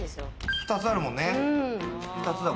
２つあるもんね。